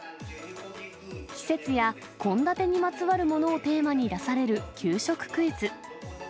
季節や献立にまつわるものをテーマに出される給食クイズ。